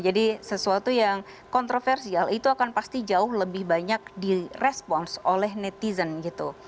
jadi sesuatu yang kontroversial itu akan pasti jauh lebih banyak di response oleh netizen gitu